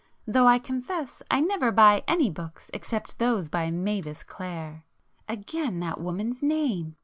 Though I confess I never buy any books except those by Mavis Clare." Again that woman's name!